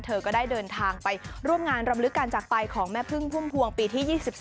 เธอก็ได้เดินทางไปร่วมงานรำลึกการจากไปของแม่พึ่งพุ่มพวงปีที่๒๒